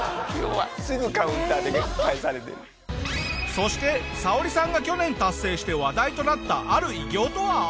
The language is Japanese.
そしてサオリさんが去年達成して話題となったある偉業とは？